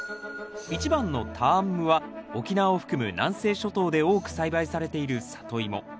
１番のターンムは沖縄を含む南西諸島で多く栽培されているサトイモ。